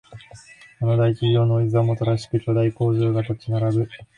あの大企業のお膝元らしく巨大工場が立ち並ぶ